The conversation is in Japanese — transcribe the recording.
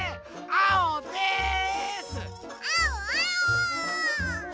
あおあお！